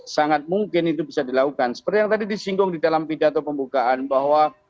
sangat mungkin itu bisa dilakukan seperti yang tadi disinggung di dalam pidato pembukaan bahwa